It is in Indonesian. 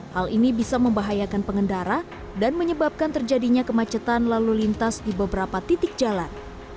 hal ini bisa membahayakan pengendara dan menyebabkan terjadinya kemacetan lalu lintas di beberapa titik jalan